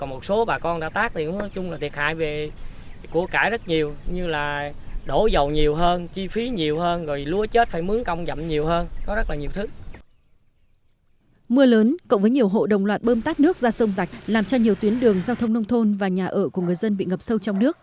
mưa lớn cộng với nhiều hộ đồng loạt bơm tắt nước ra sông rạch làm cho nhiều tuyến đường giao thông nông thôn và nhà ở của người dân bị ngập sâu trong nước